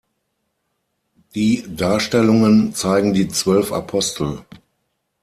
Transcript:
Die Darstellungen zeigen die zwölf Apostel.